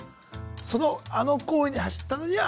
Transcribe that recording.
そのあの行為に走ったのには。